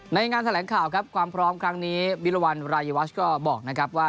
ในงานแถลงข่าวครับความพร้อมครั้งนี้วิรวรรณรายวัชก็บอกนะครับว่า